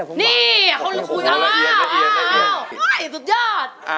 เขาละเอียด